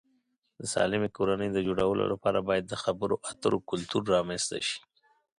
د سالمې کورنۍ د جوړولو لپاره باید د خبرو اترو کلتور رامنځته شي.